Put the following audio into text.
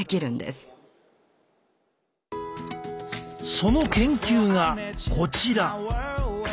その研究がこちら。